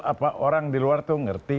apa orang di luar itu ngerti